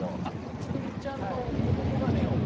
クルミちゃんの子供がレオン君。